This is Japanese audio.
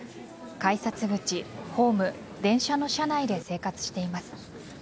改札口、ホーム電車の車内で生活しています。